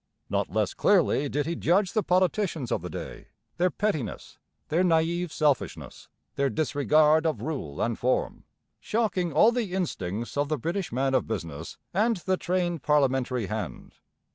Not less clearly did he judge the politicians of the day, their pettiness, their naïve selfishness, their disregard of rule and form, shocking all the instincts of the British man of business and the trained parliamentary hand.